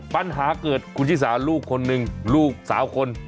ปัญหาเกิดคุณชิสาลูกคนหนึ่งลูกสาวคน